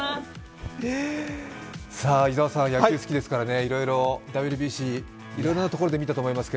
伊沢さん、野球好きですから、ＷＢＣ、いろいろなところで見たと思いますが。